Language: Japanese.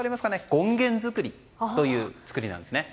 権現造りという作りです。